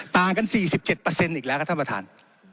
ต่างกัน๔๗อีกแล้วครับท่านประธาน